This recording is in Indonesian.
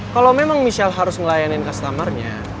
kalau memang michelle harus ngelayanin customernya